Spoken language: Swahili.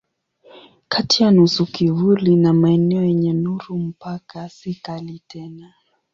Kati ya nusu kivuli na maeneo yenye nuru mpaka si kali tena.